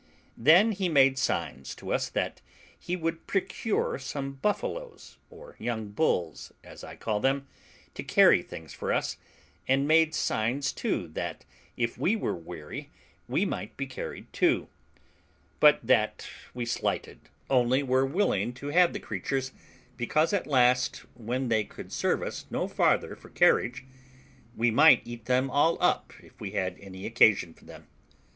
Then he made signs to us that he would procure some buffaloes, or young bulls, as I called them, to carry things for us, and made signs, too, that if we were weary, we might be carried too; but that we slighted, only were willing to have the creatures, because, at last, when they could serve us no farther for carriage, we might eat them all up if we had any occasion for them.